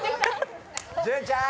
潤ちゃん！